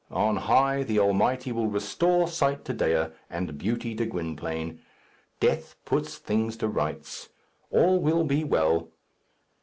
On high the Almighty will restore sight to Dea and beauty to Gwynplaine. Death puts things to rights. All will be well.